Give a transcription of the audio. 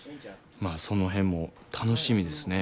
まあその辺も楽しみですね。